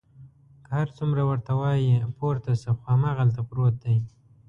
که هر څومره ورته وایي پورته شه، خو هماغلته پروت دی.